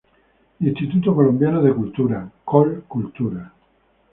Instituto Colombiano de Cultura, Colcultura.